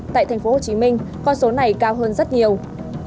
tại tp hcm con số này cao hơn rất nhiều